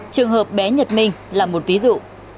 trường hợp bé nhật minh là một ví dụ